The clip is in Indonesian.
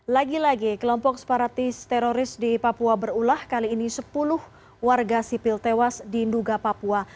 lagi lagi kelompok separatis teroris di papua berulah kali ini sepuluh warga sipil tewas di nduga papua